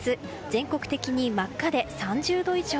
全国的に真っ赤で３０度以上。